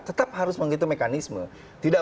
tetap harus menghitung mekanisme tidak